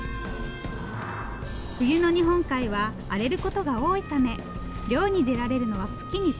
冬の日本海は荒れることが多いため漁に出られるのは月に数回。